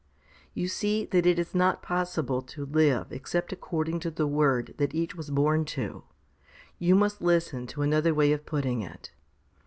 286 HOMILY XLVI 287 You see that it is not possible to live except according to the word that each was born to. You must listen to another way of putting it.